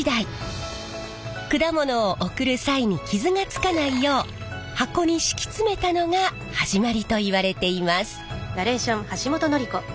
果物を贈る際に傷がつかないよう箱に敷き詰めたのが始まりといわれています。